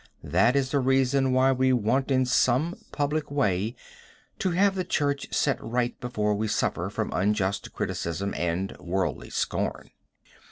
That is the reason why we want in some public way to have the church set right before we suffer from unjust criticism and worldly scorn.